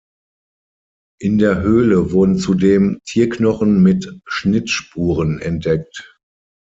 In der Höhle wurden zudem Tierknochen mit Schnittspuren entdeckt.